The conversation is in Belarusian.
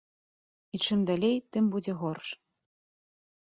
І чым далей, тым будзе горш.